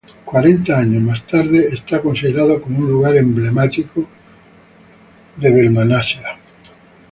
Cuarenta años más tarde, es considerado como un lugar emblemático de Baltimore.